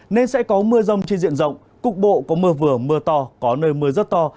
nên sẽ có mưa rông trên diện rộng cục bộ có mưa vừa mưa to có nơi mưa rất to